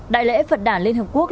đại lễ phật đảng liên hợp quốc